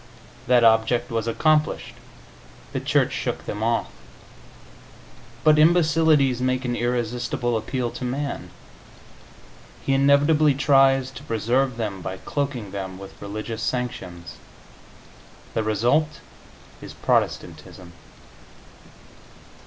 That object was accomplished; the Church shook them off. But imbecilities make an irresistible appeal to man; he inevitably tries to preserve them by cloaking them with religious sanctions. The result is Protestantism.